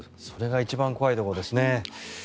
それが一番怖いところですね。